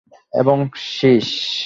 এবং– শ্রীশ।